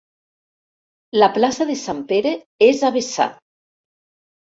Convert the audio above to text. La plaça de sant Pere és a vessar.